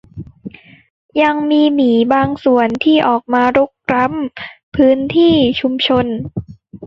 ยังมีหมีบางส่วนที่ออกมารุกล้ำพื้นที่ชุมชน